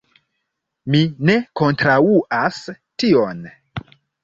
Mi ne kontraŭas tion.